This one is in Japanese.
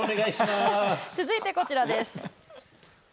続いて、こちらです。